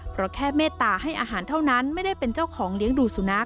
เพราะแค่เมตตาให้อาหารเท่านั้นไม่ได้เป็นเจ้าของเลี้ยงดูสุนัข